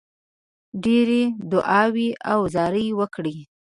ډېرې دعاوي او زارۍ وکړې.